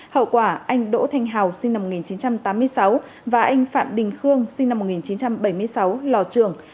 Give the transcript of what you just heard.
hậu quả anh đỗ thanh hào sinh năm một nghìn chín trăm tám mươi sáu và anh phạm đình khương sinh năm một nghìn chín trăm bảy mươi sáu lò trường